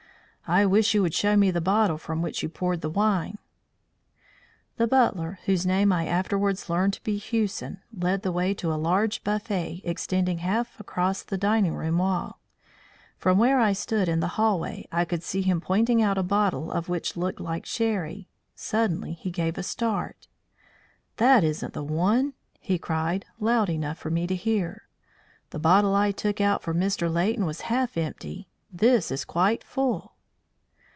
"I wish you would show me the bottle from which you poured the wine." The butler, whose name I afterwards learned to be Hewson, led the way to a large buffet extending half across the dining room wall. From where I stood in the hall way I could see him pointing out a bottle of what looked like sherry. Suddenly he gave a start. "That isn't the one," he cried, loud enough for me to hear. "The bottle I took out for Mr. Leighton was half empty. This is quite full."